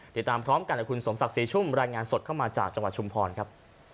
ติดตามพร้อมกันกับคุณสมศักดิ์ศรีชุ่มรายงานสดเข้ามาจากจังหวัดชุมพรครับ